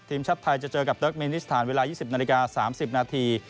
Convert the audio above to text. ทีมชาติไทยจะเจอกับเติร์กมินิสถานเวลา๒๐นาฬิกา๓๐นาที